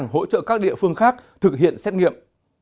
hỗ trợ các địa phương khác thực hiện xét nghiệm